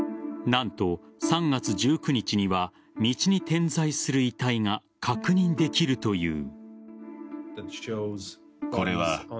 何と、３月１９日には道に点在する遺体が確認できるという。